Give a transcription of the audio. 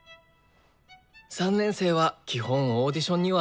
３年生は基本オーディションには。